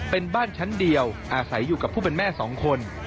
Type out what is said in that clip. เป็นบ้านชั้นเดียวอาศัยอยู่กับผู้เป็นแม่๒คน